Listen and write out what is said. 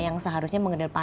yang seharusnya mengedepannya